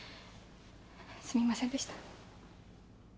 すみませんでした。